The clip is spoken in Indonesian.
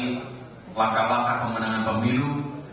ini langkah langkah pemenangan pemilu